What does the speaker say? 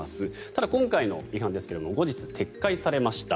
ただ今回の違反ですが後日、撤回されました。